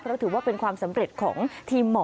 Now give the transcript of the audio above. เพราะถือว่าเป็นความสำเร็จของทีมหมอ